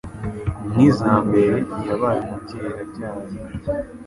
Nk'iza mbere Yabaye umubyeyi irabyara